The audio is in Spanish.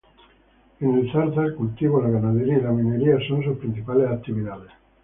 En El Zarza, el cultivo, la ganadería y la minería son sus principales actividades.